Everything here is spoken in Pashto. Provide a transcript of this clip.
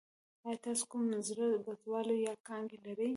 ایا تاسو کوم زړه بدوالی یا کانګې لرئ؟